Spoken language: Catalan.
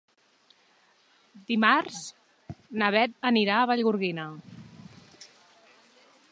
Dimarts na Beth anirà a Vallgorguina.